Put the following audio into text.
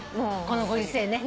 このご時世ね。